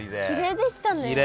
きれいでしたね。